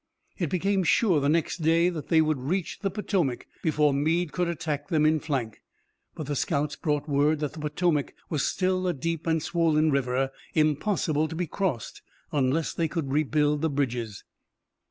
It became sure the next day that they would reach the Potomac before Meade could attack them in flank, but the scouts brought word that the Potomac was still a deep and swollen river, impossible to be crossed unless they could rebuild the bridges.